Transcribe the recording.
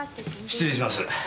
失礼します。